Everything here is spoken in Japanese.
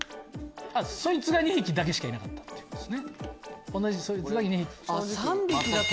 そいつが２匹だけしかいなかったってことです。